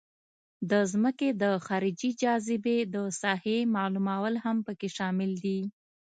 د ځمکې د خارجي جاذبې د ساحې معلومول هم پکې شامل دي